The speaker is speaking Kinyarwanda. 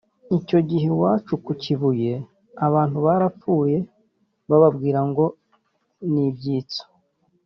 Icyo gihe iwacu ku Kibuye abantu barapfuye bababwira ngo ni ibyitso